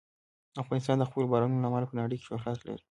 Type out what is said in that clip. افغانستان د خپلو بارانونو له امله په نړۍ کې شهرت لري.